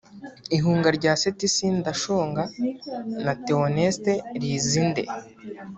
Ihunga rya Seth Sendashonga na Theoneste Lizinde